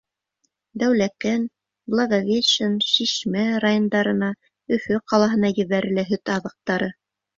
Дәүләкән, Благовещен, Шишмә райондарына, Өфө ҡалаһына ебәрелә һөт ризыҡтары.